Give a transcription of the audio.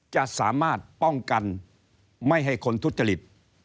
จะสามารถป้องกันไม่ให้คนทุจริต